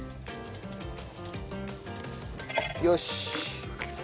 よし。